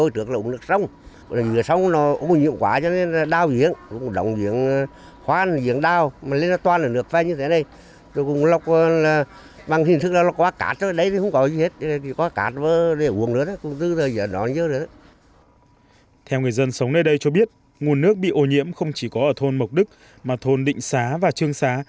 theo người dân sống nơi đây cho biết nguồn nước bị ô nhiễm không chỉ có ở thôn mộc đức mà thôn định xá và trương xá